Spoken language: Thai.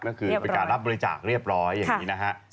ก็คือเป็นการรับบริจาคเรียบร้อยอย่างนี้นะฮะ